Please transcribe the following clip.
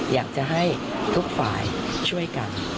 อยากจะให้ทุกฝ่ายช่วยกัน